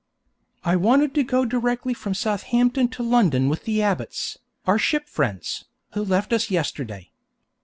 I wanted to go directly from Southampton to London with the Abbotts, our ship friends, who left us yesterday.